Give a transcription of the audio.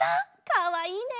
かわいいね。